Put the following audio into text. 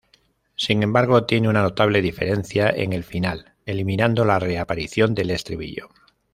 Sin embargo tiene una notable diferencia en el final, eliminando la "reaparición" del estribillo.